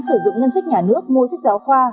sử dụng ngân sách nhà nước mua sách giáo khoa